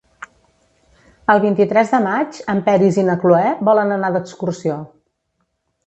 El vint-i-tres de maig en Peris i na Cloè volen anar d'excursió.